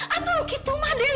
atau begitu aden